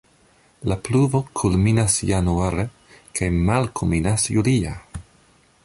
La pluvo kulminas januare kaj malkulminas julie.